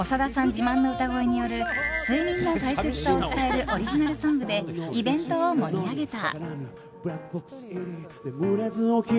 自慢の歌声による睡眠の大切さを伝えるオリジナルソングでイベントを盛り上げた。